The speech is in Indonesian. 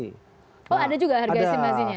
oh ada juga harga estimasinya